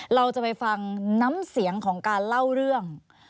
เราจะไปฟังน้ำเสียงของการเล่าเรื่อง